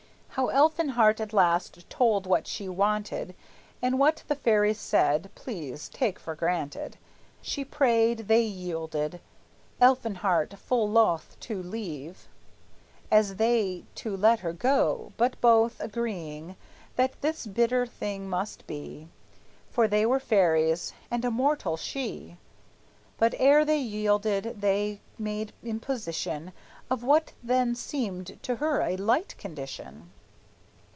How Elfinhart at last told what she wanted, And what the fairies said, please take for granted. She prayed, they yielded; Elfinhart full loth To leave, as they to let her go, but both Agreeing that this bitter thing must be; For they were fairies, and a mortal she. But ere they yielded, they made imposition Of what then seemed to her a light condition.